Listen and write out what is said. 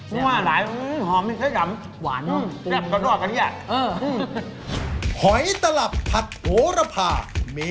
พูดมาหมากหอมเฉยสำหรับ